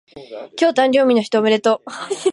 今日誕生日の人おめでとう